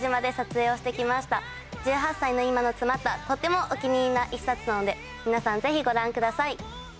１８歳の今の詰まったとてもお気に入りな１冊なので皆さんぜひご覧ください。